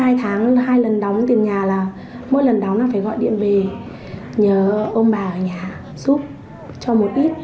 hai tháng hai lần đóng tiền nhà là mỗi lần đóng là phải gọi điện về nhờ ông bà ở nhà giúp cho một ít